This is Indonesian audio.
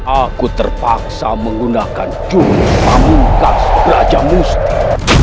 aku terpaksa menggunakan jurus pamungkas raja musti